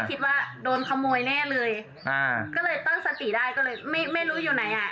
คิดว่าโดนขโมยแน่เลยอ่าก็เลยตั้งสติได้ก็เลยไม่ไม่รู้อยู่ไหนอ่ะ